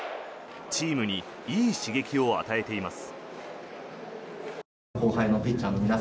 チームにいい刺激を与えています。